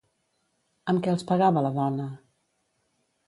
Amb què els pegava la dona?